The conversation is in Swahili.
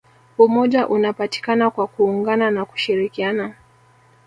umoja unapatikana kwa kuungana na kushirikiana